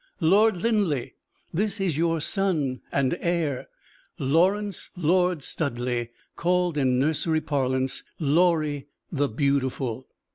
"Lord Linleigh, this is your son and heir, Lawrence Lord Studleigh, called in nursery parlance 'Laurie the beautiful!'"